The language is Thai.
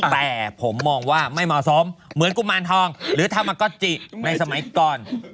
แต่ผมมองว่าไม่เหมาะสมเหมือนกุมารทองหรือธรรมก๊อจิในสมัยก่อน